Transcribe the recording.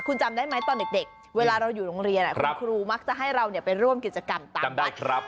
คุณจำได้ไหมตอนเด็กเวลาเราอยู่โรงเรียนคุณครูมักจะให้เราไปร่วมกิจกรรมตามวัด